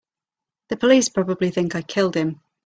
The police probably think I killed him.